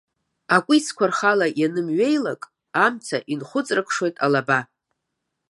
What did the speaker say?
Акәицқәа рхала ианымҩеилак, амца инхәыҵарықшоит алаба.